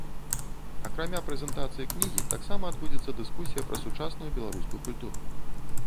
Акрамя прэзентацыі кнігі таксама адбудзецца дыскусія пра сучасную беларускую культуру.